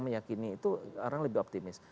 meyakini itu orang lebih optimis